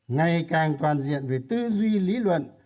ngày càng toàn diện về tư duy lý luận